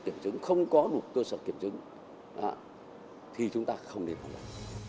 kiểm chứng không có đủ cơ sở kiểm chứng thì chúng ta không nên phòng đoán